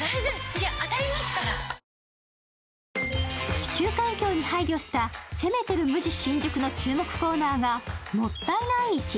地球環境に配慮した、攻めてるＭＵＪＩ新宿の注目コーナーがもったいない市。